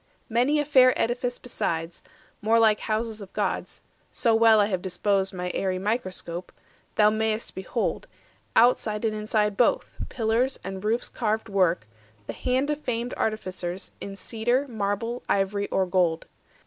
Many a fair edifice besides, more like Houses of gods—so well I have disposed My aerie microscope—thou may'st behold, Outside and inside both, pillars and roofs Carved work, the hand of famed artificers In cedar, marble, ivory, or gold.